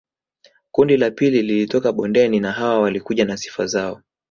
Kundi la pili lilitoka bondeni na hawa walikuja na sifa zao